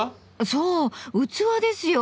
そう器ですよ。